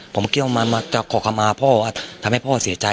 ผมไม่เคยคิดว่ามันจะขอกรรมาพ่ออ่ะทำให้พ่อเสียใจ